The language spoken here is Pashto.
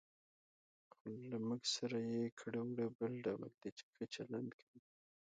خو له موږ سره یې کړه وړه بل ډول دي، چې ښه چلند کوي.